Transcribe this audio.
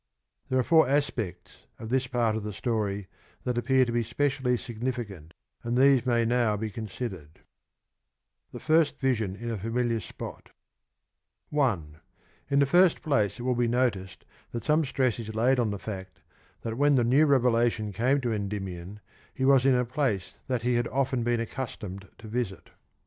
There are four aspects of this part of the story that appear to be specially significant, and these may now be considered. I. In the first place it will be noticed that some The first visun ■"•_ in a familiar Stress is laid on the fact that when the new revelation ^f*"' came to Endymion he was in a place that he had often i {^J been accustomed to visit.